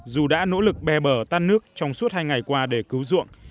dù đã nỗ lực be bờ tan nước trong suốt hai ngày qua để cứu ruộng